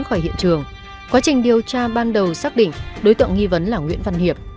khỏi hiện trường quá trình điều tra ban đầu xác định đối tượng nghi vấn là nguyễn văn hiệp